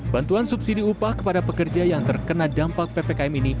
bantuan subsidi upah kepada pekerja yang terkena dampak ppkm ini